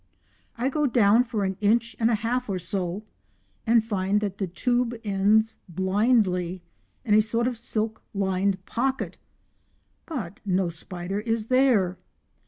I go down for an inch and a half or so and find that the tube ends blindly in a sort of silk lined pocket, but no spider is there!